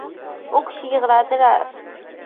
u kishi yig‘ladilar.